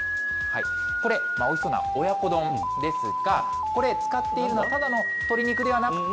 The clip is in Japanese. これ、おいしそうな親子丼ですが、これ、使っているのはただの鶏肉ではなくて。